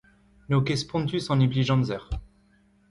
N’eo ket spontus an implij-amzer.